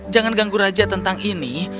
jangan ganggu raja tentang ini